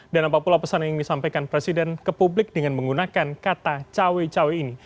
dan apapun pesan yang disampaikan presiden ke publik dengan menggunakan kata cawe cawe ini